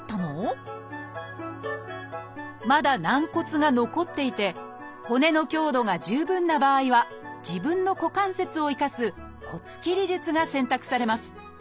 まだ軟骨が残っていて骨の強度が十分な場合は自分の股関節を生かす骨切り術が選択されます。